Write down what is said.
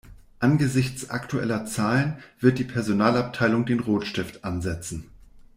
Angesichts aktueller Zahlen wird die Personalabteilung den Rotstift ansetzen.